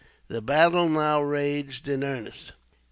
The battle now raged in earnest.